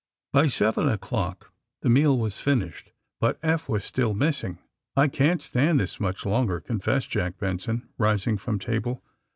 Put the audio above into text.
*' By seven o'clock the meal was finished, but Eph was still missing. ^^I can't stand this much longer,'* confessed Jack Benson, rising from table.